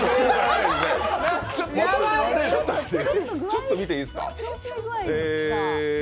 ちょっと見ていいですか？